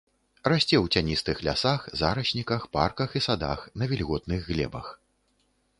Расце ў цяністых лясах, зарасніках, парках і садах на вільготных глебах.